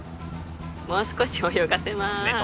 もう少し泳がせまーすねえ